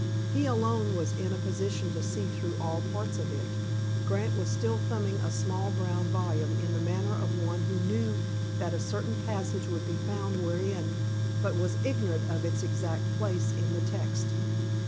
He alone was in a position to see through all parts of it. Grant was still thumbing a small brown volume in the manner of one who knew that a certain passage would be found therein but was ignorant of its exact place in the text.